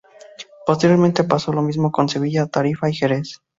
Posteriormente, pasó lo mismo con Sevilla, Tarifa y Jerez.